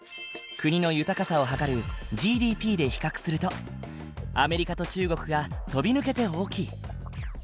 国の豊かさを測るＧＤＰで比較するとアメリカと中国が飛び抜けて大きい。